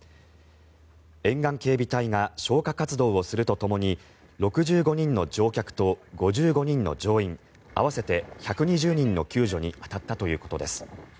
沿岸警備隊が消火活動をするとともに６５人の乗客と５５人の乗員合わせて１２０人の救助に当たったということです。